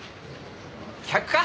客か？